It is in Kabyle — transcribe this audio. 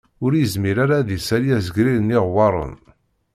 Ur yezmir ara ad d-isali azegrir n iɣewwaṛen